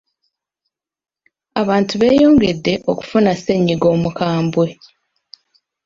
Abantu beeyongedde okufuna ssennyiga omukambwe.